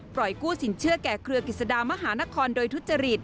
กู้สินเชื่อแก่เครือกิจสดามหานครโดยทุจริต